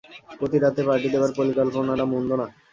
প্রতিরাতে party দেবার পরিকল্পনাটা মন্দ না।